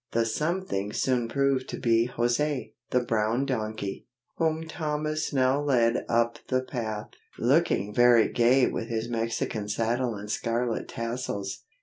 The something soon proved to be José, the brown donkey, whom Thomas now led up the path, looking very gay with his Mexican saddle and scarlet tassels.